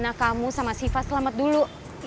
anak kamu sama siva selamat dulu